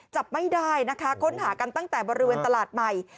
จับไม่ได้นะคะค้นหากันตั้งแต่บริเวณตลาดใหม่